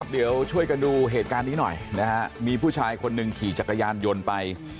เดี๋ยวช่วยกันดูเหตุการณ์นี้หน่อยนะฮะมีผู้ชายคนหนึ่งขี่จักรยานยนต์ไป